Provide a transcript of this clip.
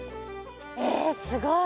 えすごい。